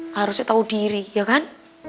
harusnya tahu diri ya kan